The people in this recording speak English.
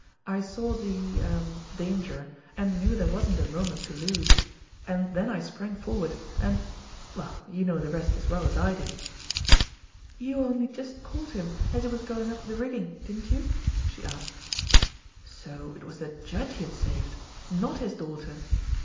I saw the er danger, and knew there wasn't a moment to lose ; and then I sprang forward, and well, you know the rest as well as I do !"" You only just caught him as he was going up the rigging, didn't you ?" she asked. So it was the Judge he had saved not his daughter